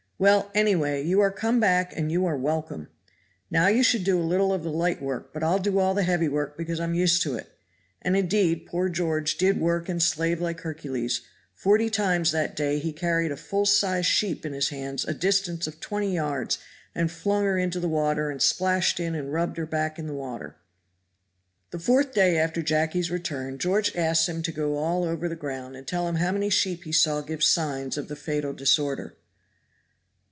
Well, any way you are come back and you are welcome. Now you shall do a little of the light work, but I'll do all the heavy work because I'm used to it;" and indeed poor George did work and slave like Hercules; forty times that day he carried a full sized sheep in his hands a distance of twenty yards and flung her into the water and splashed in and rubbed her back in the water. The fourth day after Jacky's return George asked him to go all over the ground and tell him how many sheep he saw give signs of the fatal disorder.